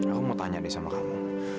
aku mau tanya deh sama kamu